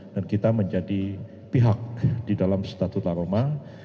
dan kita menjadi pihak di dalam statuta roma